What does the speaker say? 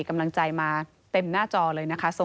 กำลังใจมาเต็มหน้าจอเลยนะคะ